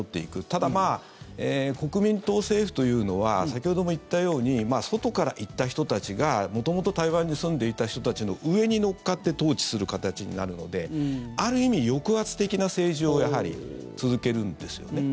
ただ、国民党政府というのは先ほども言ったように外から行った人たちが元々、台湾に住んでいた人たちの上に乗っかって統治する形になるのである意味、抑圧的な政治をやはり続けるんですよね。